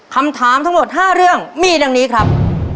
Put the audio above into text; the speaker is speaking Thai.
คำถามทั้งหมด๕เรื่องมีดังนี้ครับ